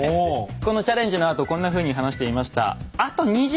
このチャレンジのあとこんなふうに話していました。